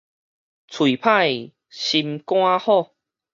喙歹心肝好